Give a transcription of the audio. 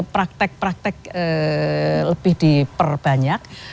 praktek praktek lebih diperbanyak